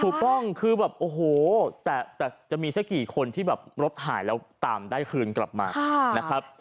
ถูกต้องคือแบบโอ้โหแต่จะมีสักกี่คนที่แบบรถหายแล้วตามได้คืนกลับมานะครับ